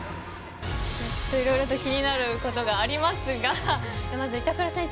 ちょっといろいろと気になることがありますがまず、板倉選手